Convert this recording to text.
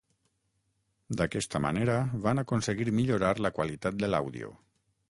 D'aquesta manera, van aconseguir millorar la qualitat de l’àudio.